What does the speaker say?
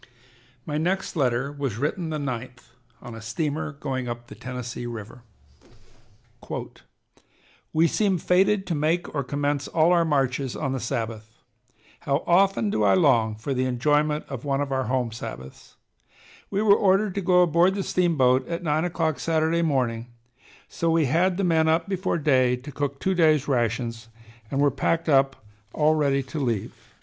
My next letter was written the 9th on a steamer going up the Tennessee River: "We seem fated to make or commence all our marches on the Sabbath. How often do I long for the enjoyment of one of our home Sabbaths. We were ordered to go aboard the steamboat at nine o'clock Saturday morning, so we had the men up before day to cook two days' rations and were packed up all ready to leave.